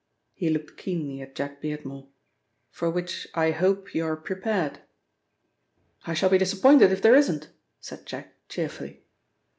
He looked keenly at Jack Beardmore. "For which I hope you are prepared." "I shall be disappointed if there isn't," said Jack cheerfully.